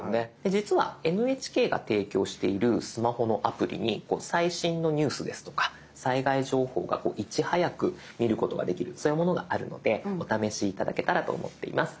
実はＮＨＫが提供しているスマホのアプリに最新のニュースですとか災害情報がいち早く見ることができるそういうものがあるのでお試し頂けたらと思っています。